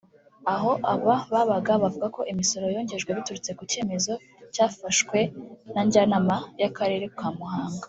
aho aba babaga bavuga ko imisoro yongejwe biturutse ku cyemezo cyafashwe na Njyanama y’Akarere ka Muhanga